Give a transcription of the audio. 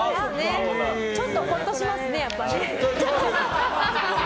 ちょっとほっとしますねやっぱり。何でよ。